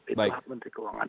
itu pak menteri keuangan